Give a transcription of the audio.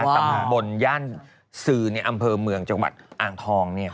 ตำบลย่านซื้อในอำเภอเมืองจังหวัดอ่างทอง